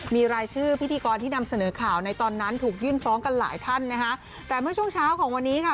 มีรายชื่อพิธีกรที่นำเสนอข่าวในตอนนั้นถูกยื่นฟ้องกันหลายท่านนะคะแต่เมื่อช่วงเช้าของวันนี้ค่ะ